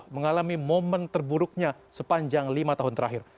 mengalami momen terburuknya sepanjang lima tahun terakhir